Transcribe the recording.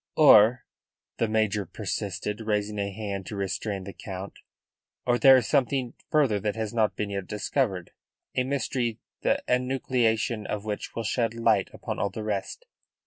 "Or," the major persisted, raising a hand to restrain the Count, "or there is something further that has not been yet discovered a mystery the enucleation of which will shed light upon all the rest.